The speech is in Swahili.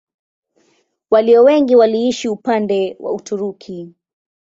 Walio wengi waliishi upande wa Uturuki.